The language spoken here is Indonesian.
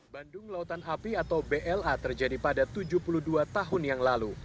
bandung lautan api atau bla terjadi pada tujuh puluh dua tahun yang lalu